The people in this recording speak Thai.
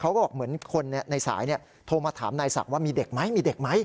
เขาบอกเหมือนคนในสายโทรมาถามนายศักดิ์ว่ามีเด็กไหมมีเด็กไหม